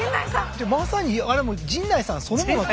じゃまさにあれはもう陣内さんそのものと。